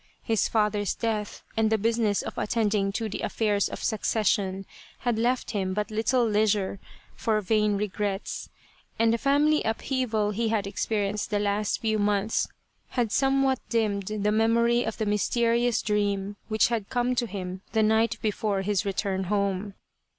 His father's death, and the business of attending to the affairs of succession, had left him but little leisure for vain regrets, and the family upheaval he had experienced the last few months had some what dimmed the memory of the mysterious dream, which had come to him the night before his return home.